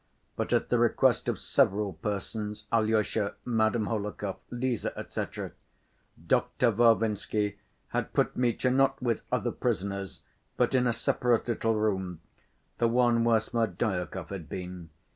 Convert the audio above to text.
But at the request of several persons (Alyosha, Madame Hohlakov, Lise, etc.), Doctor Varvinsky had put Mitya not with other prisoners, but in a separate little room, the one where Smerdyakov had been.